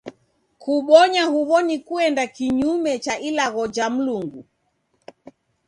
Kubonya huw'o ni kuenda kinyume cha ilagho ja Mlungu.